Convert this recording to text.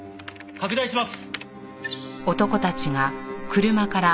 拡大します！